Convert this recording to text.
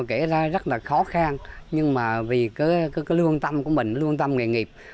kể ra rất là khó khăn nhưng mà vì cái lương tâm của mình lương tâm nghề nghiệp